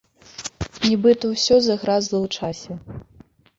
Нібыта ўсё загразла ў часе.